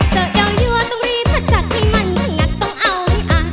เจอเดี๋ยวยังต้องรีบพัดจัดให้มันชะงัดต้องเอาไว้อ่ะ